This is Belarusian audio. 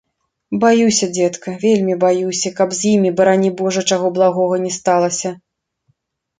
Баюся, дзедка, вельмі баюся, каб з ім, барані божа, чаго благога не сталася.